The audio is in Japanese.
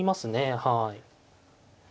はい。